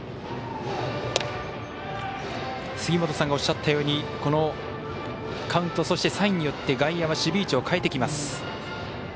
杉本さんがおっしゃったようにこのカウント、サインによって外野は守備位置を変えてきます。